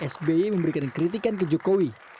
sby memberikan kritikan ke jokowi